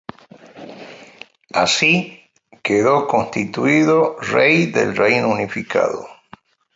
Así, quedó constituido rey del Reino Unificado.